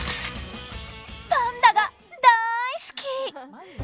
パンダが大好き！